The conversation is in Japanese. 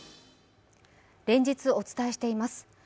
連日お伝えしています。